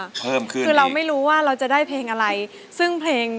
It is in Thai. เพิ่มขึ้นดีคือเราไม่รู้ว่าเราจะได้เพลงอะไรคือเราไม่รู้ว่าเราจะได้เพลงอะไร